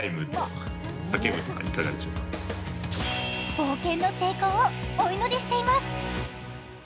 冒険の成功をお祈りしています。